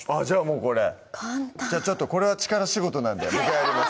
もうこれじゃあちょっとこれは力仕事なんで僕がやります